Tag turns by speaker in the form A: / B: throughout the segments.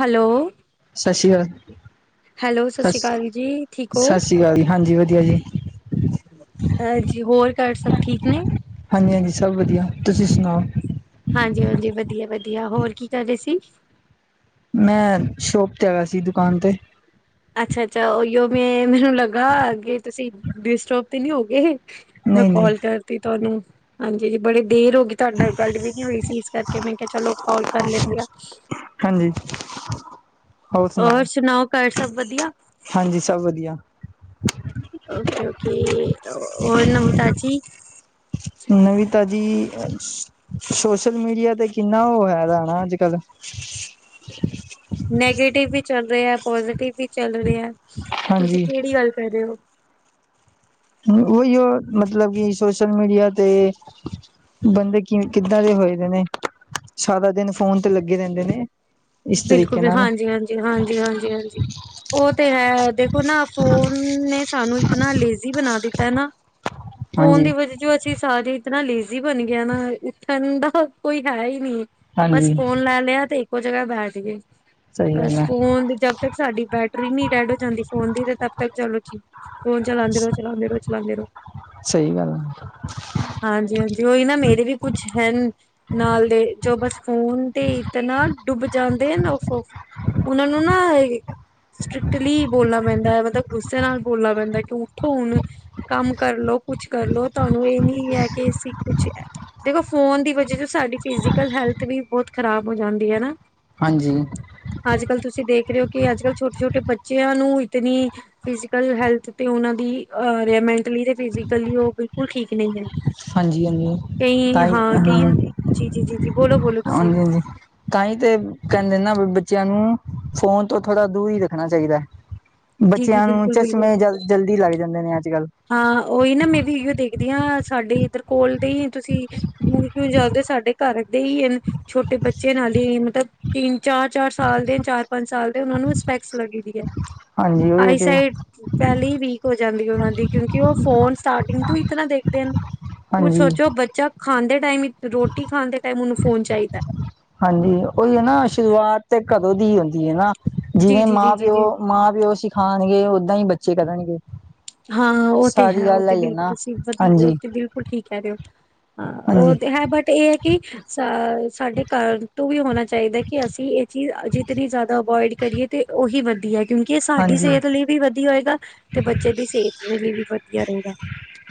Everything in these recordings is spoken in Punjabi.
A: ਹੈਲੋ।
B: ਸਤਿ ਸ਼੍ਰੀ
A: ਹੈਲੋ ਸਤਿ
B: ਅਕਾਲ
A: ਸ਼੍ਰੀ
B: ਸ
A: ਅਕਾਲ ਜੀ ਠੀਕ ਹੋ?
B: ਸਤਿ ਸ਼੍ਰੀ ਅਕਾਲ ਜੀ ਹਾਂਜੀ ਵਧੀਆ ਜੀ।
A: ਹਾਂਜੀ ਹੋਰ ਘਰ ਸਭ ਠੀਕ ਨੇ।
B: ਹਾਂਜੀ ਹਾਂਜੀ ਸਭ ਵਧੀਆ ਤੁਸੀਂ ਸੁਣਾਓ।
A: ਹਾਂਜੀ-ਹਾਂਜੀ ਵਧੀਆ-ਵਧੀਆ ਹੋਰ ਕੀ ਕਰ ਰਹੇ ਸੀ।
B: ਮੈਂ ਸ਼ੋਪ ਤੇ ਆਇਆ ਸੀ ਦੁਕਾਨ ਤੇ।
A: ਅੱਛਾ-ਅੱਛਾ ਉਹੀਓ ਮ ਮੈਨੂੰ ਲੱਗਾ ਅੱਗੇ ਤੁਸੀਂ ਡਿਸਟਰਬ ਤੇ ਨੀ ਹੋਗੇ। ਮੈਂ
B: ਨਹੀਂ ਨਹੀਂ
A: ਕੋਲ ਕਰਤੀ ਤੁਹਾਨੂੰ। ਹਾਂਜੀ ਹਾਂ ਬੜੀ ਦੇਰ ਹੋ ਗਈ ਤੁਹਾਡੇ ਗੱਲ ਵੀ ਨੀ ਹੋਈ ਸੀ ਇਸ ਕਰਕੇ ਮੈਂ ਕਿਹਾ ਚਲੋ ਕੋਲ ਕਰ ਲੈਂਦੇ ਆ।
B: ਹਾਂਜੀ ਹੋਰ
A: ਔਰ
B: ਸੁਣਾਓ
A: ਘਰ ਸਭ ਵਧੀਆ?
B: ਹਾਂਜੀ ਸਭ ਵਧੀਆ।
A: ਓਕੇ-ਓਕੇ ਹੋਰ ਨਵੀਂ ਤਾਜੀ।
B: ਨਵੀ ਤਾਜੀ ਸੋਸ਼ਲ ਮੀਡੀਆ ਤੇ ਕਿੰਨਾ ਉਹ ਹੈਗਾ ਨਾ ਅੱਜ ਕੱਲ
A: ਨੈਗੇਟਿਵ ਵੀ ਚੱਲ ਰਿਹਾ ਹੈ ਪੋਜੀਟਿਵ ਵੀ ਚੱਲ ਰਿਹਾ ਹੈ ਤੁਸੀਂ
B: ਹਾਂਜੀ
A: ਕਿਹੜੀ ਗੱਲ ਕਰ ਰਹੇ ਹੋ
B: ਉਹੀ ਮਤਲਬ ਕਿ ਸੋਸ਼ਲ ਮੀਡੀਆ ਤੇ ਬੰਦੇ ਕਿ ਕਿੱਦਾਂ ਦੇ ਹੋਏ ਦੇ ਨੇ ਸਾਰਾ ਦਿਨ ਫੋਨ ਤੇ ਲੱਗੇ ਰਹਿੰਦੇ ਨੇ ਇਸ
A: ਬਿਲਕੁਲ
B: ਤਰੀਕੇ
A: ਵੀ
B: ਨਾਲ
A: ਹਾਂਜੀ ਹਾਂਜੀ ਹਾਂਜੀ ਹਾਂਜੀ ਹਾਂਜੀ ਉਹ ਤੇ ਹੈ ਦੇਖੋ ਨਾ ਫੋਨ ਨੇ ਸਾਨੂੰ ਇਤਨਾ ਲੇਜ਼ੀ ਬਣਾ ਦਿੱਤਾ ਨਾ। ਫੋਨ
B: ਹਾਂਜੀ
A: ਦੀ ਵਜਾ ਜੋ ਅਸੀਂ ਸਾਰੇ ਇਤਨਾ ਲੇਜ਼ੀ ਬਣ ਗਏ ਨਾ ਉੱਠਣ ਦਾ ਕੋਈ ਹੈ ਹੀ ਨਹੀਂ। ਬਸ
B: ਹਾਂਜੀ
A: ਫੋਨ ਲੈ ਲਿਆ ਤੇ ਇੱਕੋ ਜਗਾ ਬੈਠ ਗਏ
B: ਸਹੀ ਗੱਲ
A: ਬੱਸ
B: ਹੈ
A: ਫੋਨ ਦੀ ਤੱਕ ਸਾਡੀ ਬੈਟਰੀ ਨੀ ਡੈਡ ਹੋ ਜਾਂਦੀ ਫੋਨ ਦੀ ਤੇ ਤਦ ਤੱਕ ਚਲੋ ਫੋਨ ਚਲਾਉਂਦੇ ਰਹੋ-ਚਲਾਉਂਦੇ ਰੋ। ਚਲਾਂਦੇ ਰਹੋ।
B: ਸਹੀ ਗੱਲ ਹੈ।
A: ਹਾਂਜੀ-ਹਾਂਜੀ ਉਹੀ ਨਾ ਮੇਰੇ ਵੀ ਕੁਛ ਹਨ ਨਾਲ ਦੇ ਜੋ ਬਸ ਫੋਨ ਤੇ ਇਤ ਨਾ ਡੁੱਬ ਜਾਂਦੇ ਆ ਨਾ ਓਹ ਫੋ। ਉਹਨਾਂ ਨੂੰ ਨਾ ਸਟ੍ਰਿਕਟਲੀ ਬੋਲਣਾ ਪੈਂਦਾ ਮਤਲਬ ਗੁੱਸੇ ਨਾਲ ਬੋਲਣਾ ਪੈਂਦਾ ਕਿ ਉੱਠੋ ਹੁਣ। ਕੰਮ ਕਰਲੋ ਕੁਛ ਕਰਲੋ ਤੁਹਾਨੂੰ ਇਹ ਨੀ ਹੈ ਕਿ ਅਸੀ ਕੁਛ ਦੇਖੋ ਫੋਨ ਦੀ ਵਜਾ ਚ ਸਾਡੀ ਫਿਜ਼ਕਲ ਹੈਲਥ ਵੀ ਬਹੁਤ ਖ਼ਰਾਬ ਹੋ ਜਾਂਦੀ ਹੈਨਾ।
B: ਹਾਂਜੀ।
A: ਅੱਜ ਕੱਲ ਤੁਸੀਂ ਦੇਖ ਰਹੇ ਹੋ ਕਿ ਅੱਜ ਕੱਲ ਛੋਟੇ ਛੋਟੇ ਬੱਚਿਆਂ ਨੂੰ ਇਤਨੀ ਫਿਜ਼ਕਲ ਹੈਲਥ ਤੇ ਉਹਨਾਂ ਦੀ ਮੈਂਟਲੀ ਤੇ ਫਿਜ਼ਕਲੀ ਉਹ ਬਿਲਕੁਲ ਠੀਕ ਨਹੀਂ ਹੈ।
B: ਹਾਂਜੀ-ਹਾਂਜੀ
A: ਕਈ
B: ਤਾਂਈ ਹਾਂ
A: ਕਈ ਜੀ ਜੀ ਜੀ ਜੀ ਬੋਲੋ ਬੋਲੋ ਤੁਸੀਂ
B: ਹਾਂਜੀ-ਹਾਂਜੀ। ਤਾਂਹੀ ਤੇ ਕਹਿੰਦੇ ਨਾ ਬੱਚਿਆਂ ਨੂੰ ਫੋਨ ਤੋਂ ਥੋੜਾ ਦੂਰ ਹੀ ਰੱਖਣਾ ਚਾਹੀਦਾ ਹੈ।
A: ਜੀ ਜੀ
B: ਬੱਚਿਆਂ ਨੂੰ
A: ਬਿਲਕੁਲ ਬਿਲਕੁਲ
B: ਚਸ਼ਮੇ ਜਲਦੀ ਜਲਦੀ ਲੱਗ ਜਾਂਦੇ ਨੇ ਅੱਜ ਕੱਲ੍ਹ।
A: ਹਾਂ ਓਹੀ ਨਾ ਮੈਂ ਵੀ ਇਹੀਓ ਦੇਖਦੀ ਹਾਂ ਸਾਡੇ ਇੱਧਰ ਕੋਲ ਦੇ ਹੀ ਤੁਸੀਂ ਦੂਰ ਕਿਉਂ ਜਾਦੇ ਸਾਡੇ ਘਰ ਦੇ ਹੀ ਹਨ ਛੋਟੇ ਬੱਚਿਆਂ ਨਾਲ ਹੀ ਮਤਲਬ ਤਿੰਨ ਚਾਰ ਚਾਰ ਸਾਲ ਦੇ ਚਾਰ ਪੰਜ ਸਾਲ ਦੇ ਉਹ ਨੂੰ ਸਪੈਕਸ ਲੱਗੀ ਹੈ।
B: ਹਾਂਜੀ ਉਹੀ ਤੇ
A: ਆਈਸਾਈਡ ਪਹਿਲੇ ਹੀ ਵੀਕ ਹੋ ਜਾਂਦੀ ਹੈ ਉਹਨਾਂ ਦੀ। ਕਿਉ ਫੋਨ ਸਟਾਰਟਿੰਗ ਤੋਂ ਹੀ ਇ ਤਰ ਦੇਖਦੇ ਕੁ
B: ਹਾਂਜੀ
A: ਸੋਚੋ ਬੱਚਾ ਖਾਣਦੇ ਟਾਈਮ ਰੋਟੀ ਖਾਣ ਦੇ ਟਾਈਮ ਉਹਨੂੰ ਫੋਨ ਚਾਹੀਦਾ।
B: ਹਾਂਜੀ ਉਹੀ ਹੈ ਨਾ ਸ਼ੁਰੂਆਤ ਤੇ ਕਦੋਂ ਦੀ ਹੁੰਦੀ ਹੈ ਨਾ
A: ਜੀ
B: ਜਿਵੇਂ
A: ਜੀ ਜੀ
B: ਮਾਂ
A: ਜੀ
B: ਪਿਓ
A: ਜੀ
B: ਮਾਂ ਪਿਓ ਸਿਖਾਉਣਗੇ ਓਦਾਂ ਹੀ ਬੱਚੇ ਕਰਨਗੇ।
A: ਹਾਂ ਉਹ ਤੇ
B: ਸਾਰੀ
A: ਹੈ ਉਹ
B: ਗੱਲ
A: ਤੇ
B: ਆਈ
A: ਬਿਲਕੁਲ
B: ਨਾ
A: ਤੁਸੀਂ ਸਿਮਤੀ
B: ਹਾਂਜੀ
A: ਉਹ ਬਿਲਕੁਲ ਠੀਕ ਕਹਿ ਰਹੇ ਹੋ। ਹਾਂ ਉਹ
B: ਹਾਂਜੀ
A: ਤੇ ਹੈ ਬਟ ਇਹ ਹੈ ਕਿ ਅ ਸਾਡੇ ਘਰ ਤੋਂ ਵੀ ਹੋਣਾ ਚਾਹੀਦਾ ਕਿ ਅਸੀਂ ਇਹ ਚੀਜ਼ ਜਿਤਨੀ ਜ਼ਿਆਦਾ ਅਵੋਇਡ ਕਰੀਏ ਤੇ ਉਹੀ ਵਧੀਆ। ਕਿਉਂਕਿ ਇਹ ਸਾਡੀ
B: ਹਾਂਜੀ
A: ਸਿਹਤ ਲਈ ਵੀ ਵਧੀਆ ਹੋਏਗਾ ਤੇ ਬੱਚੇ ਦੀ ਸਿਹਤ ਦੇ ਲਈ ਵੀ ਵਧੀਆ ਰਹੇਗਾ।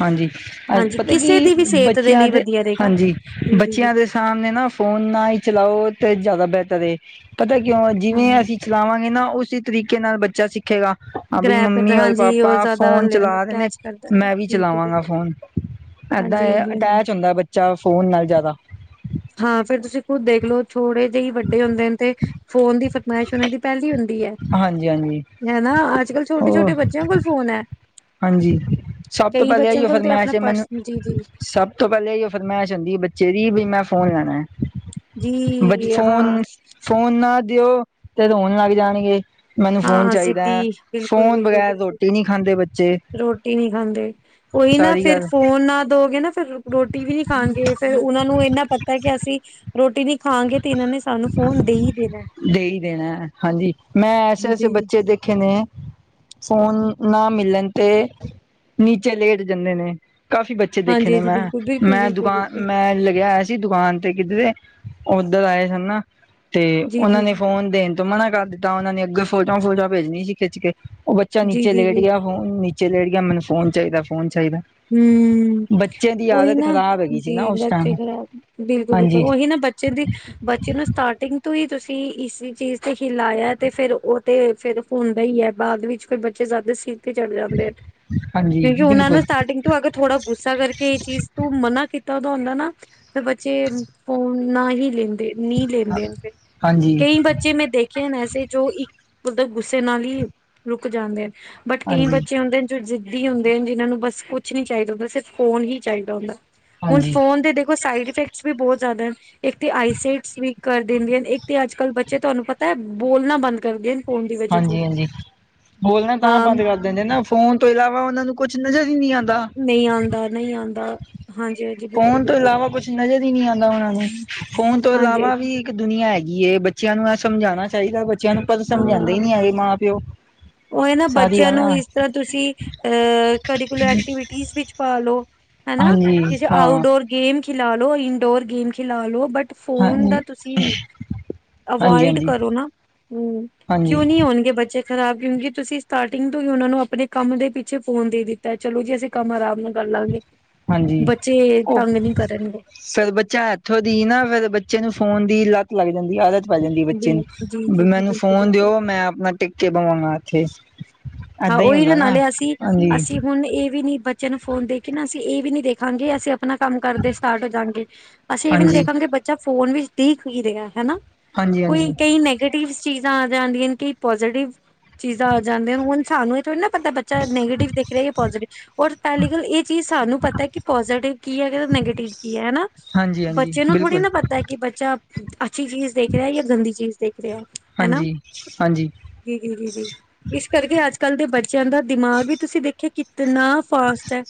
B: ਹਾਂਜੀ, ਅ
A: ਹਾਂਜੀ
B: ਪਤਾ
A: ਕਿਸੇ
B: ਕਿ
A: ਦੀ ਵੀ ਸਿਹਤ
B: ਬੱਚਿਆਂ
A: ਲਈ
B: ਦੇ
A: ਵਧੀਆ ਰਹੇਗਾ
B: ਹਾਂਜੀ
A: ਜੀ ਜੀ ਜੀ
B: ਬੱਚਿਆਂ ਦੇ ਸਾਮਣੇ ਨਾ ਫੋਨ ਨਾ ਹੀ ਚਲਾਓ ਤੇ ਜ਼ਿਆਦਾ ਬਿਹਤਰ ਐ, ਪਤਾ ਕਿਉਂ
A: ਹਾਂ
B: ਜਿਵੇਂ ਅਸੀਂ ਚਲਾਵਾਂਗੇ ਨਾ, ਉਸੇ ਤਰੀਕੇ ਨਾਲ ਬੱਚਾ ਸਿੱਖੇਗਾ। ਹਾ ਵੀ
A: ਗ੍ਰੈਬ ਕਰਦਾ
B: ਮੰਮੀ ਉਹਦੇ
A: ਹਾਂਜੀ ਉਹ
B: ਪਾਪਾ
A: ਜ਼ਿਆਦਾ
B: ਫੋਨ
A: ਲੈਂਦਾ
B: ਚਲਾ ਦੇ ਨੇ,
A: ਕੈਚ ਕਰਦਾ ਹੈ
B: ਮੈਂ ਵੀ
A: ਬਿਲਕੁਲ
B: ਆਵਾਂ
A: ਬਿਲਕੁਲ
B: ਫੋਨ ਏਦਾਂ
A: ਹਾਂਜੀ
B: ਇਹ
A: ਹਾਂਜੀ ਹਾਂਜੀ
B: ਅਟੈਚ ਹੁੰਦਾ ਐ, ਬੱਚਾ ਫੋਨ ਨਾਲ ਜ਼ਿਆਦਾ।
A: ਹਾਂ, ਫੇਰ ਤੁਸੀਂ ਖੁਦ ਦੇਖਲੋ ਥੋੜੇ ਜਿਹੇ ਵੱਡੇ ਹੁੰਦੇ ਨੇ ਤੇ, ਫੋਨ ਦੀ ਫਰਮਾਇਸ਼ ਉਹਨਾਂ ਦੀ ਪਹਿਲੀ ਹੁੰਦੀ ਐ।
B: ਹਾਂਜੀ ਹਾਂਜੀ
A: ਹੈਨਾ, ਅੱਜ ਕੱਲ੍ਹ ਛੋਟੇ ਛੋਟੇ
B: ਹੋਰ
A: ਬੱਚਿਆਂ ਕੋਲ ਫੋਨ ਐ।
B: ਹਾਂਜੀ, ਸਭ ਤੋਂ ਪਹਿਲਾਂ ਏਹੀ ਉਹ
A: ਆਪਣਾ
B: ਫਰਮੈਸ਼ ਐ, ਮੈਨੂੰ
A: ਪਰਸ ਜੀ ਜੀ
B: ਸਭ ਸਭ ਤੋਂ ਪਹਿਲੇ ਏਹੀ ਓ ਫਰਮੈਸ਼ ਹੁੰਦੀ ਬੱਚੇ ਦੀ ਬੀ ਮੈਂ ਫੋਨ ਲੈਣਾ ਐ, ਬੱਚੇ
A: ਜੀ ਹਾਂ
B: ਫੋਨ ਫੋਨ ਨਾ ਦਿਓ ਤੇ ਹੋੋਣ ਲੱਗ ਜਾਣਗੇ। ਮੈਨੂੰ ਫੋਨ
A: ਹਾਂ
B: ਚਾਹੀਦਾ ਹੈ,
A: ਜਿੱਦੀ ਬਿਲਕੁਲ
B: ਫੋਨ
A: ਬਿਲਕੁਲ
B: ਬਗੈਰ
A: ਬਿਲਕੁਲ
B: ਰੋਟੀ ਨਹੀਂ ਖਾਂਦੇ ਬੱਚੇ।
A: ਰੋਟੀ ਨੀ ਖਾਂਦੇ, ਉਹੀ ਨਾ
B: ਸਾਰੀ
A: ਫਿਰ
B: ਗੱਲ
A: ਫੋਨ ਨਾ ਦੋਗੇ ਨਾ ਫਿਰ ਰੋਟੀ ਵੀ ਨਹੀਂ ਖਾਣਗੇ ਫੇਰ ਉਹਨਾ ਨੂੰ ਇੰਨਾ ਪਤਾ ਕਿ ਅਸੀਂ ਰੋਟੀ ਨੀ ਖਾਗੇ ਤੇ ਇਹਨਾਂ ਨੇ ਸਾਨੂੰ ਫੋਨ ਦੇ ਹੀ ਦੇਣਾ।
B: ਦੇ ਹੀ ਦੇਣਾ ਹਾਂਜੀ ਮੈਂ ਐਸੇ ਐਸੇ
A: ਜੀ
B: ਬੱਚੇ ਦੇਖੇ ਨੇ ਫੋਨ ਨਾ ਮਿਲਣ ਤੇ ਨੀਚੇ ਲੇਟ ਜਾਂਦੇ ਨੇ ਕਾਫ਼ੀ ਬੱਚੇ ਦੇਖੇ
A: ਹਾਂਜੀ
B: ਨੇ
A: ਹਾਂਜੀ
B: ਮੈਂ।
A: ਬਿਲਕੁਲ ਬਿਲਕੁਲ
B: ਮੈਂ
A: ਬਿਲਕੁਲ
B: ਦੁਕਾਨ
A: ਬਿਲਕੁਲ
B: ਮੈਂ ਲੱਗਿਆ ਹੋਇਆ ਸੀ ਦੁਕਾਨ ਤੇ ਕਿਧਰੇ ਉਧਰ ਆਏ ਸੀ ਹਨਾ ਤੇ
A: ਜੀ
B: ਉਹਨਾਂ
A: ਜੀ
B: ਨੇ
A: ਜੀ
B: ਫੋਨ ਦੇਣ ਤੇ ਮਨਾ ਕਰ ਦਿੱਤਾ ਉਹਨਾਂ ਨੇ ਅੱਗੇ ਫੋਟੋਆਂ ਫੋਟੋਆਂ ਭੇਜਣੀ ਸੀ, ਖਿੱਚ ਕੇ ਉਹ ਬੱਚਾ
A: ਜੀ
B: ਨੀਚੇ
A: ਜੀ
B: ਲੇਟ
A: ਜੀ
B: ਗਿਆ। ਹੂੰ ਨੀਚੇ ਲੈਟ ਗਿਆ, ਮੈਨੂੰ ਫੋਨ ਚਾਹੀਦਾ ਫੋਨ ਚਾਹੀਦਾ।
A: ਹੂੰ,
B: ਬੱਚੇ ਦੀ
A: ਉਹੀ
B: ਆਦਤ
A: ਨਾ
B: ਖ਼ਰਾਬ ਹੈਗੀ ਸੀ ਨਾ
A: ਜੀ
B: ਉਸ
A: ਬੱਚੇ
B: ਟਾਈਮ
A: ਖਰਾਬ ਬਿਲਕੁਲ ਬਿਲਕੁਲ
B: ਹਾਂਜੀ
A: ਉਹੀ ਨਾ ਬੱਚੇ ਦੀ ਬੱਚੇ ਨੂੰ ਸਟਾਰਟਿੰਗ ਤੋਂ ਹੀ ਤੁਸੀਂ ਇਸ ਚੀਜ਼ ਤੇ ਹੀ ਖਿਲਾਇਆ ਤੇਂ ਫੇਰ ਉਹ ਤੇ ਫਿਰ ਹੁੰਦਾ ਹੀ ਐ, ਬਾਅਦ ਵਿੱਚ ਫਿਰ ਬੱਚੇ ਜ਼ਿਆਦਾ ਸਿਰ ਤੇ ਚੜ੍ਹ ਜਾਂਦੇ ਆ,
B: ਹਾਂਜੀ
A: ਕਿਉਂਕਿ ਉਹਨਾਂ
B: ਬਿਲਕੁਲ
A: ਨੂੰ ਸਟਾਟਿੰਗ ਤੋਂ ਅਗਰ ਥੋੜਾ ਗੁੱਸਾ ਕਰਕੇ ਇਹ ਚੀਜ਼ ਤੂੰ ਮਨਾ ਕੀਤਾ ਉਹਦਾ ਹੁੰਦਾ ਨਾ ਫਿਰ ਬੱਚੇ ਫੋਨ ਨਾ ਹੀ ਲੈਂਦੇ ਨੀ ਲੈਂਦੇ ਫੇਰ,
B: ਹਾਂਜੀ
A: ਕਈ ਬੱਚੇ ਮੈਂ ਦੇਖਿਆ ਐਸੇ ਜੋ ਇੱਕ ਮਤਲਬ ਗੁੱਸੇ ਨਾਲ ਹੀ ਰੁਕ ਜਾਂਦੇ ਬਟ ਕਈ
B: ਹਾਂਜੀ
A: ਬੱਚੇ ਹੁੰਦੇ ਜੋ ਜਿੱਦੀ ਹੁੰਦੇ ਜਿਨਾਂ ਨੂੰ ਬਸ ਕੁਛ ਨੀ ਚਾਹੀਦਾ ਹੁੰਦਾ, ਸਿਰਫ ਫੋਨ ਹੀ ਚਾਹੀਦਾ ਹੁੰਦਾ। ਹੁਣ
B: ਹਾਂਜੀ
A: ਫੋਨ ਦੇ ਦੇਖੋ ਸਾਈਡ ਇਫੈਕਟਸ ਵੀ ਬਹੁਤ ਜ਼ਿਆਦਾ ਇੱਕ ਆਈਸਾਈਡਜ ਵੀ ਕਰ ਦਿੰਦੀ ਹਨ, ਇੱਕ ਤੇ ਅੱਜ ਕੱਲ੍ਹ ਬੱਚੇ ਤੁਹਾਨੂੰ ਪਤਾ ਐ ਬੋਲਣਾ ਬੰਦ ਕਰਦੇ ਹਨ।
B: ਹਾਂਜੀ ਹਾਂਜੀ, ਬੋਲਣਾ ਤਾਂ
A: ਹਾਂ
B: ਬੰਦ ਕਰ ਦਿੰਦੇ ਨਾ ਫੋਨ ਤੋਂ ਇਲਾਵਾ ਉਹਨਾ ਨੂੰ ਕੁਛ ਨਜ਼ਰ ਹੀ ਨਹੀਂ ਆਦਾ।
A: ਨਹੀਂ ਆਦਾ ਨਹੀਂ ਆਦਾ, ਹਾਂਜੀ। ਬਿਲਕੁਲ
B: ਫੋਨ ਤੋਂ
A: ਬਿਲਕੁਲ
B: ਇਲਾਵਾ ਕੁਛ ਨਜ਼ਰ ਹੀ ਨੀ ਆਦਾ ਉਹਨਾ ਨੂੰ, ਫੋਨ ਤੋਂ
A: ਹਾਂਜੀ
B: ਇਲਾਵਾ ਵੀ ਇੱਕ ਦੁਨੀਆਂ ਹੈਗੀ ਐਂ, ਬੱਚਿਆਂ ਨੂੰ ਇਹ ਸਮਝਾਉਂਣਾ ਚਾਹੀਦਾ, ਬੱਚਿਆਂ ਨੂੰ ਪਰ
A: ਹਾਂ
B: ਸਮਝਾਉਂਦਾ ਹੀ ਨੀ ਐਗੇ ਮਾਂ ਪਿਓ।
A: ਉਹ ਇਹ ਨਾ
B: ਸਾਰੀ
A: ਬੱਚਿਆਂ
B: ਗੱਲ
A: ਨੂੰ
B: ਨਾ
A: ਇਸ ਤਰ੍ਹਾਂ ਤੁਸੀਂ ਅਆ ਕਰੀਕੁਲਰ ਐਕਟੀਵਿਟੀ ਵਿੱਚ ਪਾਲੋ। ਹਨਾ,
B: ਹਾਂਜੀ
A: ਕਿਸੇ ਆਊਟ
B: ਹਾਂ
A: ਡੋਰ ਗੇਮ ਖਿਲਾ ਲੋ, ਇਨਡੋਰ ਗੇਮ ਖਿਲਾ ਲੋ, ਬਟ ਫੋਨ
B: ਹਾਂਜੀ
A: ਦਾ ਤੁਸੀਂ
B: ਹਾਂਜੀ
A: ਅਵੋਇਡ
B: ਹਾਂਜੀ
A: ਕਰੋ ਨਾ, ਹੂੰ
B: ਹਾਂਜੀ
A: ਕਿਉਂ ਨੀ ਹੋਣਗੇ ਬੱਚੇ ਖਰਾਬ ਕਿਉਂਕਿ ਤੁਸੀਂ ਸਟਾਰਟਿੰਗ ਤੋਂ ਹੀ ਉਹਨਾਂ ਨੂੰ ਆਪਣੇ ਕੰਮ ਦੇ ਪਿੱਛੇ ਫੋਨ ਦੇ ਦਿੱਤਾ ਆ, ਚਲੋਂ ਜੀ ਅਸੀਂ ਕੰਮ ਆਰਾਮ ਨਾਲ ਕਰ ਲਵਾਂਗੇ।
B: ਹਾਂਜੀ
A: ਬੱਚੇ
B: ਉਹ
A: ਤੰਗ ਨੀ ਕਰਨਗੇ।
B: ਫੇਰ ਬੱਚਾ ਇੱਥੋਂ ਦੀ ਨਾ ਫੇਰ ਬੱਚੇ ਨੂੰ ਫੋਨ ਦੀ ਲੱਤ ਲੱਗ ਜਾਂਦੀ ਐ, ਆਦਤ ਪੈ ਜਾਂਦੀ ਬੱਚੇ ਨੂੰ
A: ਬਿਲ ਜੀ
B: ਵੀ
A: ਜੀ ਜੀ
B: ਮੈਨੂੰ
A: ਬਿਲਕੁਲ
B: ਫੋਨ
A: ਬਿਲਕੁਲ
B: ਦਿਓ, ਮੈਂ ਆਪਣਾ ਟਿੱਕੇ ਬਵਾਗਾ ਇੱਥੇ।
A: ਹਾਂ
B: ਏਦਾਂ ਹੀ
A: ਉਹੀ ਨੇ
B: ਹੁੰਦਾ ਨਾ
A: ਨਾਲੇ ਅਸੀਂ,
B: ਹਾਂਜੀ
A: ਅਸੀਂ ਹੁਣ ਇਹ ਵੀ ਨੀ ਬੱਚੇ ਨੂੰ ਫੋਨ ਦੇ ਕੇ ਨਾ, ਅਸੀਂ ਇਹ ਵੀ ਨੀ ਦੇਖਾਂਗੇ ਅਸੀਂ ਆਪਣੇ ਆਪਣਾ ਕੰਮ ਕਰਦੇ ਸਟਾਰਟ ਹੋ ਜਾਣਗੇ, ਅਸੀਂ ਇਹ ਵੀ ਨੀ
B: ਹਾਂਜੀ
A: ਦੇਖਾਂਗੇ ਕਿ ਬੱਚਾ ਫੋਨ ਵਿੱਚ ਦੇਖ ਹੀ ਰਿਹਾ ਹਨਾ।
B: ਹਾਂਜੀ
A: ਕੋਈ
B: ਹਾਂਜੀ
A: ਕਈ ਨੈਗੇਟਿਵ ਚੀਜ਼ਾਂ ਆ ਜਾਂਦੀਆਂ ਨੇ ਕਈ ਪੋਜ਼ੀਟਿਵ ਜਾ ਜਾਂਦੇ, ਹੁਣ ਸਾਨੂੰ ਥੋੜੀ ਨਾ ਪਤਾ ਬੱਚਾ ਨੈਗੇਟਿਵ ਦੇਖ ਰਿਹਾ ਐ ਜਾਂ ਪੋਜੀਟਿਵ ਔਰ ਪਹਿਲੀ ਗੱਲ, ਇਹ ਚੀਜ਼ ਸਾਨੂੰ ਪਤਾ ਕਿ ਪੋਜ਼ਟਿਵ ਕੀ ਐ ਨੈਗੇਟਿਵ ਕੀ ਐ ਹਨਾ।
B: ਹਾਂਜੀ ਹਾਂਜੀ
A: ਬੱਚੇ ਨੂੰ ਥੋੜ੍ਹੀ
B: ਬਿਲਕੁਲ
A: ਨਾ ਪਤਾ ਕਿ ਬੱਚਾ ਅੱਛੀ ਚੀਜ਼ ਦੇਖ ਰਿਹਾ ਜਾਂ ਗੰਦੀ ਚੀਜ਼ ਦੇਖ ਰਿਹਾ ਹੈਨਾ।
B: ਹਾਂਜੀ ਹਾਂਜੀ
A: ਜੀ ਜੀ ਜੀ ਜੀ, ਇਸ ਕਰਕੇ ਅੱਜ ਕੱਲ ਦੇ ਬੱਚਿਆਂ ਦਾ ਦਿਮਾਗ ਵੀ ਤੁਸੀਂ ਦੇਖਿਆ ਕਿਤਨਾ ਫਾਸਟ ਐ।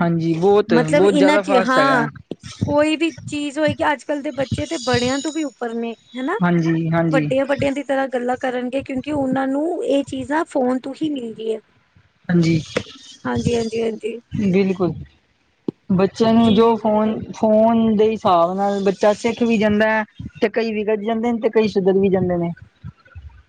B: ਹਾਂਜੀ, ਬਹੁਤ ਬਹੁਤ ਜ਼ਿਆਦਾ
A: ਚ
B: ਫਾਸਟ ਹੈਗਾ।
A: ਹਾਂ ਕੋਈ ਵੀ ਚੀਜ਼ ਹੋਏਗੀ, ਅੱਜ ਕੱਲ੍ਹ ਦੇ ਬੱਚੇ ਤੇ ਬੜਿਆਂ ਤੋਂ ਵੀ ਉੱਪਰ ਨੇ ਹਨਾ।
B: ਜੀ ਹਾਂਜੀ।
A: ਵੱਡਿਆਂ-ਵੱਡਿਆਂ ਦੀ ਤਰ੍ਹਾਂ ਗੱਲਾਂ ਕਰਨਗੇ ਕਿਉਂਕਿ ਉਹਨਾਂ ਨੂੰ ਇਹ ਚੀਜ਼ਾਂ ਫੋਨ ਤੋਂ ਹੀ ਮਿਲਦੀ ਹੈ।
B: ਹਾਂਜੀ।
A: ਹਾਂਜੀ-ਹਾਂਜੀ, ਹਾਂਜੀ,
B: ਬਿਲਕੁਲ ਬੱਚਿਆਂ ਨੂੰ ਜੋ
A: ਜੀ-ਜੀ-ਜੀ।
B: ਫੋਨ। ਫੋਨ ਦੇ ਹਿਸਾਬ ਨਾਲ ਬੱਚਾ ਸਿੱਖ ਵੀ ਜਾਂਦਾ ਹੈ। ਤੇ ਕਈ ਵਿਗੜ ਜਾਂਦੇ ਨੇ ਤੇ ਕਈ ਸੁਧਰ ਵੀ ਜਾਂਦੇ ਨੇ।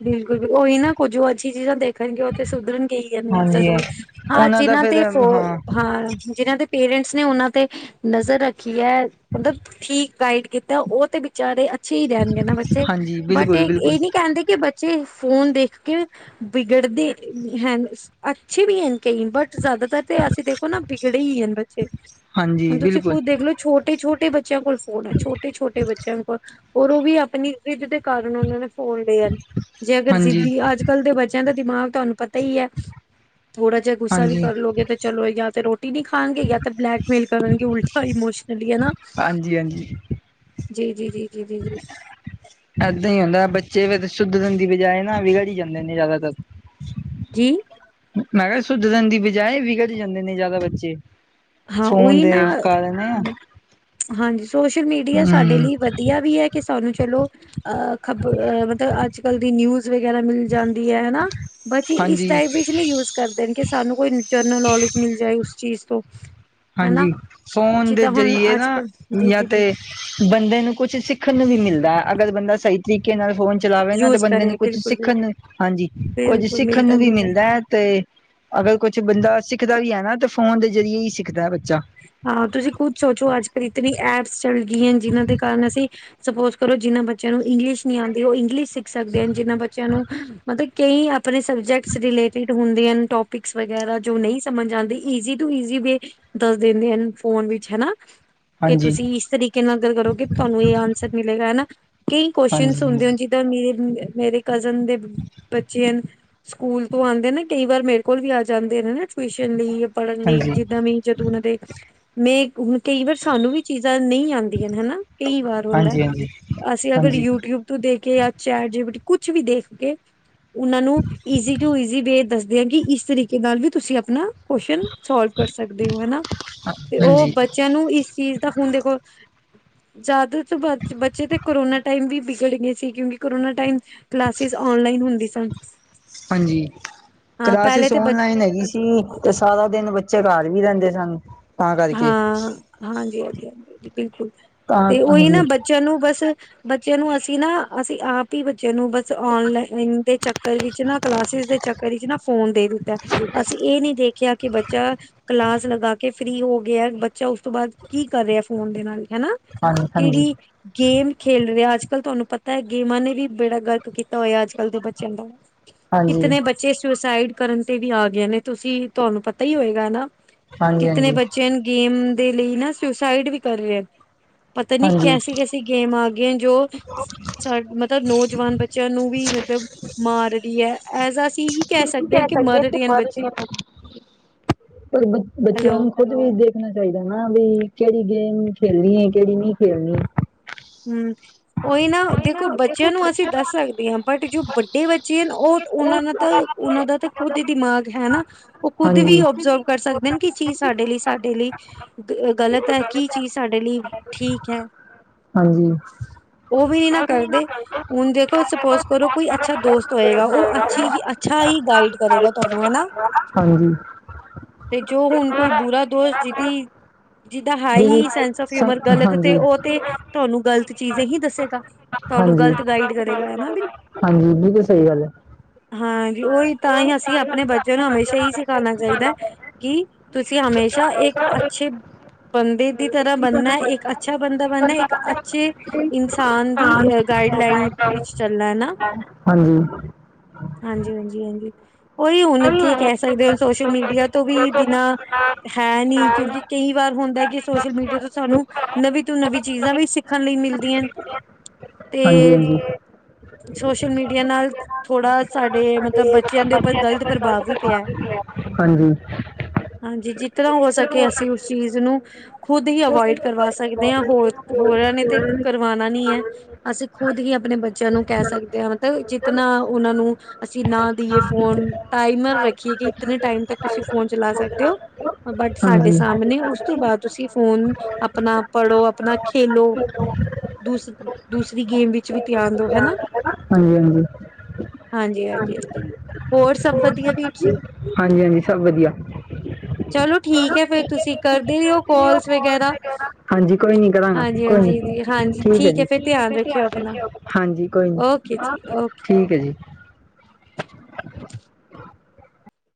A: ਬਿਲਕੁਲ ਉਹੀ ਨਾ ਕੁੱਝ ਉਹ ਅੱਛੀ ਚੀਜ਼ਾਂ ਦੇਖ। ਕਹਿਣਗੇ ਉੱਥੇ ਸੁਧਰਨ ਗਈ ਹਨ।
B: ਹਾਂਜੀ
A: ਜ਼ਰੂਰ ਹਾਂ
B: ਉਹਨਾਂ ਦਾ
A: ਜਿਨਾਂ
B: ਫਿਰ
A: ਤੇ ਫੋਨ
B: ਹਾਂ
A: ਹਾਂ। ਜਿਨਾਂ ਦੇ ਪੇਰੈਂਟਸ ਨੇ ਉਹਨਾਂ ਦੇ। ਨਜ਼ਰ ਰੱਖੀ ਹੈ। ਮਤਲਬ ਠੀਕ ਗਾਈਡ ਕੀਤਾ ਉਹ ਤੇ ਵਿਚਾਰੇ। ਅੱਛੇ ਹੀ ਰਹਿਣਗੇ ਨਾ ਬੱਚੇ
B: ਹਾਂਜੀ
A: ਬਟ
B: ਬਿਲਕੁਲ
A: ਇਹ
B: ਬਿਲਕੁਲ
A: ਇਹ ਨੀ ਕਹਿੰਦੇ। ਕਿ ਬੱਚੇ ਫੋਨ ਦੇਖ ਕੇ ਵਿਗੜਦੇ ਹੈ। ਅੱਛੇ ਵੀ ਹਨ ਕਈ ਬਟ। ਜ਼ਿਆਦਾਤਰ ਤੇ ਅਸੀਂ ਦੇਖੋ ਨਾ ਵਿਗੜੇ ਹੀ ਹੈ। ਬੱਚੇ
B: ਹਾਂਜੀ
A: ਹੁਣ ਤੁਸੀਂ
B: ਬਿਲਕੁਲ
A: ਖੁਦ ਦੇਖਲੋ ਛੋਟੇ ਛੋਟੇ ਬੱਚੇ। ਬੱਚਿਆਂ ਕੋਲ ਫੋਨ ਹੈ। ਛੋਟੇ ਛੋਟੇ ਬੱਚਿਆਂ ਕੋਲ ਔਰ ਉਹ ਵੀ ਆਪਣੀ ਜਿੱਧ ਦੇ ਕਾਰਨ ਉਹਨਾਂ ਨੇ। ਫੋਨ ਲਏ ਹੈ। ਜੇ ਅਗਰ
B: ਹਾਂਜੀ
A: ਜਿੱਦੀ ਅੱਜ। ਅੱਜ ਕੱਲ ਦੇ ਬੱਚਿਆਂ ਦਾ ਦਿਮਾਗ ਤੁਹਾਨੂੰ ਪਤਾ ਹੀ ਹੈ। ਥੋੜਾ ਜਿਹਾ ਗੁੱਸਾ ਵੀ
B: ਹਾਂਜੀ
A: ਕਰਲੋਗੇ ਤੇ ਚਲੋ ਜਾਂ ਫਿਰ ਰੋਟੀ। ਰੋਟੀ ਨਹੀਂ ਖਾਣਗੇ ਜਾਂ ਤਾਂ ਬਲੈਕਮੇਲ ਕਰਨਗੇ ਉਲਟਾ ਇਮੋਸ਼ਨਲੀ ਹੈ।
B: ਹਾਂਜੀ ਹਾਂਜੀ
A: ਜੀ ਜੀ ਜੀ ਜੀ ਜੀ ਜੀ।
B: ਏਦਾਂ ਹੀ ਹੁੰਦਾ ਹੈ। ਬੱਚੇ ਫੇਰ ਸੁਧਰਨ ਦੀ ਬਜਾਏ ਨਾ ਵਿਗੜੀ ਜਾਂਦੇ ਨੇ ਜ਼ਿਆਦਾਤਰ।
A: [unintelligible]
B: ਮੈਂ ਕਿਹਾ ਸੁਧਰਨ ਦੀ ਬਜਾਏ ਵਿਗੜ ਜਾਂਦੇ ਨੇ ਜ਼ਿਆਦਾ ਬੱਚੇ।
A: ਹਾਂ
B: ਫੋਨ
A: ਉਹੀ
B: ਦੇ
A: ਨਾ
B: ਕਾਰਨ ਆ।
A: ਹਾਂਜੀ ਸੋਸ਼ਲ ਮੀਡੀਆ ਸਾਡੇ ਲਈ ਵਧੀਆ ਵੀ ਹੈ। ਕਿ ਸਾਨੂੰ ਚਲੋ। ਅਹ ਖ਼ਬਰ ਮਤਲਬ ਅੱਜ ਕੱਲ ਦੀ ਨਿਊਜ਼। ਵਗੈਰਾ ਮਿਲ ਜਾਂਦੀ ਹੈ ਹਨਾ ਬੱਚੇ ਇਸ
B: ਹਾਂਜੀ
A: ਟਾਈਪ ਵਿਚ ਨਹੀਂ ਯੂਜ। ਕਰਦੇ ਨੇ ਕਿ ਸਾਨੂੰ ਕੋਈ ਜਨਰਲ ਨੌਲੇਜ ਮਿਲ ਜਾਏ ਉਸ ਚੀਜ਼ ਤੋਂ। ਹਨਾ
B: ਹਾਂਜੀ ਫੋਨ ਦੇ
A: ਜਿੱਦਾਂ ਹੁਣ
B: ਜ਼ਰੀਏ
A: ਅੱਜ
B: ਨਾ
A: ਕੱਲ ਜੀ
B: ਦੁਨੀਆ
A: ਜੀ
B: ਤੇ।
A: ਜੀ
B: ਬੰਦੇ ਨੂੰ ਕੁਛ ਸਿੱਖਣ ਨੂੰ ਵੀ ਮਿਲਦਾ ਹੈ। ਅਗਰ ਬੰਦਾ ਸਹੀ। ਤਰੀਕੇ ਨਾਲ ਫੋਨ ਚਲਾਵੇ ਨਾ ਤੇ
A: ਯੂਜ
B: ਬੰਦੇ
A: ਕਰੇ
B: ਨੂੰ ਕੁੱਛ
A: ਬਿਲਕੁਲ
B: ਸਿੱਖਣ
A: ਬਿਲਕੁਲ
B: ਨੂੰ ਹਾਂਜੀ ਕੁੱਝ ਸਿੱਖਣ ਨੂੰ ਵੀ ਮਿਲਦਾ ਹੈ। ਤੇ ਅਗਰ ਕੁਛ ਬੰਦਾ ਸਿੱਖਦਾ ਵੀ ਹੈ। ਨਾ ਤੇ ਫੋਨ ਦੇ ਜ਼ਰੀਏ ਹੀ ਸਿੱਖਦਾ ਹੈ। ਬੱਚਾ।
A: ਹਾਂ ਤੁਸੀਂ ਖੁਦ ਸੋਚੋ ਅੱਜ ਕੱਲ੍ਹ ਇਤਨੀ ਐਪਸ ਚੱਲ ਗਈਆਂ ਹੈ। ਜਿਨਾਂ ਦੇ ਕਾਰਨ ਅਸੀਂ। ਸਪੋਜ ਕਰੋ ਜਿੰਨ੍ਹਾਂ ਬੱਚਿਆਂ ਨੂੰ ਇੰਗਲਿਸ਼ ਨੀ ਆਉਂਦੀ ਹੈ। ਉਹ ਇੰਗਲਿਸ਼ ਸਿੱਖ ਸਕਦੇ ਹਨ। ਜਿਨਾਂ ਬੱਚਿਆਂ ਨੂੰ। ਮਤਲਬ ਕਈ ਆਪਣੇ ਸਬਜੈਕਟਸ ਰਿਲੇਟਿਡ ਹੁੰਦੇ ਹਨ। ਟੋਪਿਕਸ ਵਗੈਰਾ ਜੋ ਨਹੀਂ ਸਮਝ ਆਉਂਦੀ। ਈਜ਼ੀ ਟੂ ਈਜ਼ੀ ਵੇ ਦੱਸ ਦਿੰਦੇ ਹਨ ਫੋਨ ਵਿੱਚ ਹਨਾ। ਕਿ
B: ਹਾਂਜੀ
A: ਤੁਸੀਂ ਇਸ ਤਰੀਕੇ ਨਾਲ ਗੱਲ ਕਰੋ। ਕਿ ਤੁਹਾਨੂੰ ਇਹ ਅਨਸਰ ਮਿਲੇਗਾ ਹਨਾ ਕਈ ਕੂਐਸ਼ਨਸ
B: ਹਾਂਜੀ
A: ਹੁੰਦੇ। ਦਾ ਮੇਰੇ ਮੇਰੇ ਕਜ਼ਨ ਦੇ ਬੱਚੇ ਹਨ। ਸਕੂਲ ਤੋਂ ਆਉਂਦੇ ਨੇ ਕਈ ਵਾਰ ਮੇਰੇ ਕੋਲ ਵੀ ਆ ਜਾਂਦੇ ਨੇ ਨਾ ਟਿਊਸ਼ਨ ਲਈ ਪੜ੍ਹਨ ਲਈ
B: ਹਾਂਜੀ ਹਾਂਜੀ
A: ਜਿੱਦਾਂ ਵੀ। ਜਦੋਂ ਉਹਨਾਂ ਦੇ ਮੈਂ ਹੁਣ ਕਈ ਵਾਰ ਸਾਨੂੰ ਵੀ ਚੀਜ਼ਾਂ ਨਹੀਂ ਆਉਂਦੀਆਂ ਹਨਾ ਕਈ ਵਾਰ। ਹੁੰਦਾ
B: ਹਾਂਜੀ
A: ਅਸੀਂ ਅਗਰ
B: ਹਾਂਜੀ
A: ਯੂਟਿਊਬ ਤੋਂ ਦੇਖ ਜਾਂ ਚੈਟ ਜੀ ਪੀ ਟੀ ਕੁਛ ਵੀ ਦੇਖ ਕੇ। ਉਹਨਾਂ ਨੂੰ ਈਜ਼ੀ ਟੂ ਈਜ਼ੀ ਵੇ ਦੱਸਦੇ ਆਂ ਕਿ ਇਸ ਤਰੀਕੇ। ਨਾਲ ਵੀ ਤੁਸੀਂ ਆਪਣਾ ਕੁਐਸਸ਼ਨ ਸੋਲਵ ਕਰ ਸਕਦੇ ਹੋ ਹਨਾ ਤੇ ਉਹ ਬੱਚੇ।
B: ਹਾਂਜੀ
A: ਬੱਚਿਆਂ ਨੂੰ ਇਸ ਚੀਜ਼ ਦਾ ਹੁਣ ਦੇਖੋ। ਜਿਆਦਾ ਤਾਂ ਬੱਚੇ ਤੇ ਕੋੋਰਾਇਨਾ ਟਾਈਮ ਵੀ ਵਿਗੜ ਗਏ ਸੀ ਕਿਉਂਕਿ। ਕਰੋਨਾ ਟਾਈਮ ਕਲਾਸਿਸ ਔਨਲਾਈਨ ਹੁੰਦੀ ਸਨ।
B: ਹਾਂਜੀ,
A: ਹਾਂ ਪਹਿਲੇ
B: ਕਲਾਸਿਸ
A: ਤੇ ਬ
B: ਔਨਲਾਈਨ ਹੈਗੀ ਸ ਤੇ ਸਾਰਾ ਦਿਨ ਬੱਚੇ ਘੱਰ ਵੀ ਰੈੰਦੇ ਸਨ। ਤਾਂ ਕਰਕੇ
A: ਹਾਂ ਹਾਂਜੀ ਹਾਂਜੀ ਹਾਂਜੀ ਬਿਲਕੁਲ,
B: ਤਾਂ
A: ਤੇ ਓਹੀ ਨਾ
B: ਹਾਂਜੀ
A: ਬੱਚਿਆਂ ਨੂੰ ਬਸ ਬੱਚਿਆਂ ਨੂੰ ਅਸੀਂ ਨਾ ਅਸੀਂ ਆਪ ਹੀ ਬੱਚੇ ਨੂੰ ਬਸ ਔਨਲਾਈਨ ਦੇ ਚੱਕਰ ਵਿੱਚ ਨਾ ਕਲਾਸਿਸ ਦੇ ਚਕ ਵਰੀ ਚ ਨਾ ਫੋਨ ਦੇ ਦਿੱਤਾ ਅਸੀਂ ਏਹ ਨੀ ਦੇਖਿਆ ਕਿ ਬੱਚਾ ਕਲਾਸ ਲਗਾ ਕੇ ਫ੍ਰਰੀ ਹੋ ਗਿਆ ਬੱਚਾ ਉਸ ਤੋਂ ਬਾਦ ਕੀ ਕਰ ਰਿਹਾ ਫੋਨ ਦੇ ਨਾਲ ਹੈਨਾ।
B: ਹਾਂਜੀ ਹਾਂਜੀ
A: ਕਿੜੀ ਗੇਮ ਖੇਲ ਰਿਹਾ ਅੱਜ-ਕੱਲ੍ਹ ਤੁਹਾਨੂੰ ਪਤਾ ਗੇਮਾਂ ਨੇ ਵੀ ਬੇੜਾ ਗਰਕ ਕੀਤਾ ਹੋਇਆ ਅੱਜ-ਕੱਲ੍ਹ ਦੇ ਬੱਚਿਆਂ ਦਾ।
B: ਹਾਂਜੀ
A: ਕਿਤਨੇ ਬੱਚੇ ਸੁਸਾਈਡ ਕਰਨ ਤੇ ਵੀ ਆ ਗਏ ਨੇ ਤੁਸੀਂ ਤੁਹਾਨੂੰ ਪਤਾ ਹੀ ਹੋਏਗਾ ਨਾ।
B: ਹਾਂਜੀ
A: ਕਿਤਣੇ
B: ਹਾਂਜੀ
A: ਬੱਚੇਆ ਨ ਗੇਮ ਦੇ ਲਈ ਨਾ ਸੁਸਾਈਡ ਵੀ ਕਰ ਰਹੇ ਐ। ਪਤਾ ਨੀ
B: ਹਾਂਜੀ
A: ਕੈਸੀ ਕੈਸੀ ਗੇਮ ਆ ਗਈਐ ਜੋ ਮਤਲਬ ਨੌਜਵਾਨ ਬੱਚਿਆਂ ਨੂੰ ਵੀ ਮਤਲਬ ਮਾਰ ਰੀ ਐ। ਐਜ ਆ ਈਹੀ ਕੈ ਸਕਦੇ ਹੈ ਕਿ ਮਰ ਰਹੇ ਹਨ ਬੱਚੇ।
B: ਪਰ
A: ਹੈਲੋ
B: ਬੱਚਿਆਂ ਨੂੰ ਖੁਦ ਵੀ ਦੇਖਣਾ ਚਾਹੀਦਾ ਨਾ ਵੀ ਕਿਹੜੀ ਗੇਮ ਖੇਲਣੀ ਹੈ। ਕਿਹੜੀ ਨਹੀਂ ਖੇਲਣੀ ਹੈ।
A: ਹੂੰ ਉਹੀ ਨਾ ਦੇਖ। ਬੱਚਿਆਂ ਨੂੰ ਅਸੀਂ ਦੱਸ ਸਕਦੇ ਹਾਂ। ਬਟ ਜੋ ਵੱਡੇ ਬੱਚੇ ਹਨ ਉਹ ਉਹਨਾਂ ਦਾ ਤਾਂ ਉਹਨਾਂ ਦਾ ਤਾਂ। ਖੁਦ ਦਿਮਾਗ ਹੈ ਨਾ ਉਹ ਖੁਦ
B: ਹਾਂਜੀ
A: ਵੀ ਓਬਜ਼ਰਵ ਕਰ ਸਕਦੇ ਹਨ ਕੀ ਚੀਜ਼ ਸਾਡੇ ਲਈ ਸਾਡੇ ਲਈ। ਗਲਤ ਹੈ ਕੀ ਚੀਜ਼ ਸਾਡੇ ਲਈ ਠੀਕ ਹੈ।
B: ਹਾਂਜੀ।
A: ਉਹ ਵੀ ਨੀ ਨਾ ਕਰਦੇ। ਹੁਣ ਦੇਖੋ ਸਪੋਜ ਕਰੋ ਕੋਈ ਅੱਛਾ ਦੋਸਤ ਹੋਏਗਾ, ਓਹ ਅਛੀ ਹੀ ਅੱਛਾ ਹੀ ਗਾਈਡ ਕਰੇਗਾ ਤੁਹਾਨੂੰ ਹੈਨਾ।
B: ਹਾਂਜੀ।
A: ਤੇ ਜੋ ਹੁਣ ਕੋਈ ਬੁਰਾ ਦੋਸ਼ ਜਿਦੀ ਜਿਦਾ
B: ਜਿਹੜੀ
A: ਹਾਈ ਸੈਂਸ ਆਫ
B: ਸ
A: ਹਊਮਰ ਗਲਤ ਤੇ
B: ਹਾਂਜੀ
A: ਓਹ ਤੇ ਤੁਹਾਨੂੰ ਗ਼ਲਤ ਚੀਜ਼ਾਂ ਹੀ ਦੱਸੇਗਾ। ਤੁਹਾਨੂੰ
B: ਹਾਂਜੀ
A: ਗ਼ਲਤ ਗਾਈਡ ਕਰੇਗਾ ਹਨਾ ਬਿਨ
B: ਹਾਂਜੀ, ਬਿਲਕੁਲ ਸਹੀ ਗੱਲ ਏ।
A: ਹਾਂਜੀ, ਓਹੀ ਤਾਂ ਹੀ ਅਸੀਂ ਆਪਣੇ ਬੱਚਿਆਂ ਨੂੰ ਹਮੇਸ਼ਾ ਏਹੀ ਸਿਖਾਣਾ ਚਾਹੀਦਾ। ਕਿ ਤੁਸੀਂ ਹਮੇਸ਼ਾ ਏਕ ਅੱਛੇ ਬੰਦੇ ਦੀ ਤਰ੍ਹਾਂ ਬਣਨਾ, ਇੱਕ ਅੱਛਾ ਬੰਦਾ ਬਣਨੈ, ਇੱਕ ਅੱਛੇ ਇਨਸਾਨ ਦੀ ਅ ਗਾਈਡ ਲਾਈਨ ਵਿੱਚ ਚੱਲਣੈ ਨਾ।
B: ਹਾਂਜੀ।
A: ਹਾਂਜੀ ਹਾਂਜੀ ਹਾਂਜੀ। ਓਹੀ ਹੁਣ ਕੀ ਕੈ ਸਕਦੇ ਹੋ? ਸੋਸ਼ਲ ਮੀਡੀਆ ਤੋਂ ਵੀ ਬਿਨਾਂ ਹੈ ਨੀ ਕਿਉਂਕਿ ਕਈ ਵਾਰ ਹੁੰਦੈ ਕਿ ਸੋਸ਼ਲ ਮੀਡੀਆ ਤੋਂ ਸਾਨੂੰ ਨਵੀਂ ਤੋਂ ਨਵੀਂ ਚੀਜ਼ਾਂ ਵੀ ਸਿੱਖਣ ਲਈ ਮਿਲਦੀਆ ਨੇ,
B: ਹਾਂਜੀ
A: ਤੇ
B: ਹਾਂਜੀ
A: ਸੋਸ਼ਲ ਮੀਡੀਆ ਨਾਲ ਥੋੜਾ ਸਾਡੇ ਮਤਲਬ ਬੱਚਿਆਂ ਦੇ ਉੱਪਰ ਗ਼ਲਤ ਪ੍ਰਭਾਵ ਵੀ ਪਿਐ।
B: ਹਾਂਜੀ।
A: ਹਾਂਜੀ, ਜਿ ਤਰ੍ਹਾਂ ਹੋ ਸਕੇ ਅਸੀਂ ਉਸ ਚੀਜ਼ ਨੂੰ ਖੁਦ ਹੀ ਅਵੋਇਡ ਕਰਵਾ ਸਕਦੇ ਹਾਂ, ਹੋਰ ਹੋਰਾਂ ਨੇ ਤੇ ਕਰਵਾਣਾ ਨੀ ਐ। ਅਸੀਂ ਖੁਦ ਹੀ ਅਪਣੇ ਬੱਚਿਆਂ ਨੂੰ ਕੈ ਸਕਦੇ ਹਾਂ ਮਤਲਬ ਜਿਤਨਾ ਉਨਾਂ ਨੂੰ ਅਸੀਂ ਨਾ ਦਈਏ ਫੋਨ ਟਾਈਮਰ ਰੱਖੀਏ ਕਿ ਇਤਨੇ ਟਾਈਮ ਤੱਕ ਤੁਸੀਂ ਫੋਨ ਚਲਾ ਸਕਦੇ ਹੋ। ਬਟ ਸਾਡੇ
B: ਹਾਂਜੀ।
A: ਸਾਮਣੇ ਉਸ ਤੋਂ ਬਾਦ ਤੁਸੀਂ ਫੋਨ ਅਪਣਾ ਪੜੋ ਅਪਣਾ ਖੇਲੋ ਦੂਸ ਦੂਸਰੀ ਗੇਮ ਵਿੱਚ ਵੀ ਧਿਆਨ ਦੋ, ਹੈਨਾ।
B: ਹਾਂਜੀ ਹਾਂਜੀ।
A: ਹਾਂਜੀ ਹਾਂਜੀ ਹਾਂਜੀ। ਹੋਰ, ਸਭ ਵਧੀਆ ਵੀਰ ਜੀ?
B: ਹਾਂਜੀ ਹਾਂਜੀ, ਸਭ ਵਧੀਆ।
A: ਚਲੋ ਠੀਕ ਹੈ, ਫੇਰ ਤੁਸੀਂ ਕਰਦੇ ਰੇ ਔ ਕੌਲਸ ਵਗੈਰਾ।
B: ਹਾਂਜੀ, ਕੋਈ ਨੀ ਕਰਾਂਗਾ। ਕੋਈ ਨੀ,
A: ਹਾਂਜੀ-ਹਾਂਜੀ ਜੀ ਹਾਂਜੀ
B: ਠੀਕ ਹੈ ਜੀ।
A: ਫਿਰ ਧਿਆਨ ਰੱਖਿਓ ਆਪਣਾ
B: ਹਾਂਜੀ ਕੋਈ ਨੀ।
A: ਓਕੇ ਜੀ ਓਕੇ।
B: ਠੀਕ ਹੈ ਜੀ।
A: [inaudible]